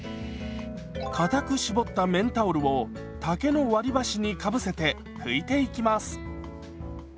かたく絞った綿タオルを竹の割り箸にかぶせて拭いていきます。